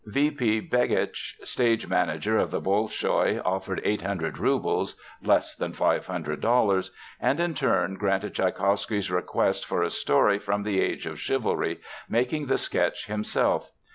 V. P. Begitche, stage manager of the Bolshoi, offered 800 roubles (less than $500) and in turn granted Tschaikowsky's request for a story from the Age of Chivalry, making the sketch himself.